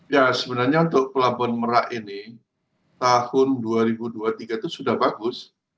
ya sebenarnya untuk pelabuhan merak ini tahun dua ribu dua puluh tiga itu sudah bagus